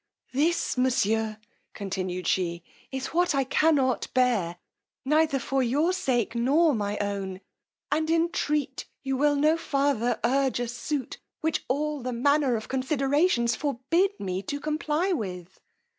This, monsieur, continued she, is what I cannot bear, neither for your sake nor my own, and entreat you will no farther urge a suit, which all manner of considerations forbid me to comply with.